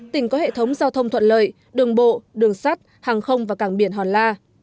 tỉnh có hệ thống giao thông thuận lợi đường bộ đường sắt hàng không và cảng biển hòn la